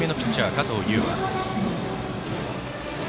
加藤悠羽。